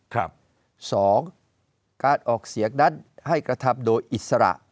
สองการออกเสียงนั้นให้กระทำโดยอิสระ